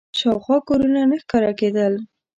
شاوخوا کورونه نه ښکاره کېدل.